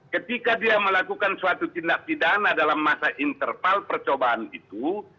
ketika dia melakukan suatu tindak pidana dalam masa interval percobaan itu